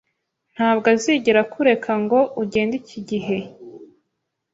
Ntabwo azigera akureka ngo ugende iki gihe